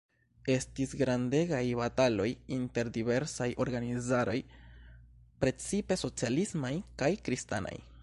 Estis grandegaj bataloj inter diversaj organizaroj, precipe socialismaj kaj kristanaj.